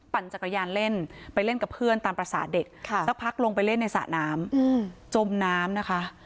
จักรยานเล่นไปเล่นกับเพื่อนตามภาษาเด็กสักพักลงไปเล่นในสระน้ำจมน้ำนะคะ